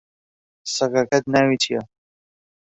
سەگەکەت ناوی چییە؟